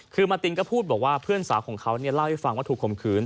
คือมาตินก็พูดบอกว่าเพื่อนสาวของเขาเล่าให้ฟังว่าถูกข่มขืน